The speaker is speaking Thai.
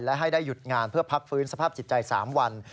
และให้ได้หยุดงานเพื่อพักฟื้นสภาพจิตใจ๓วัน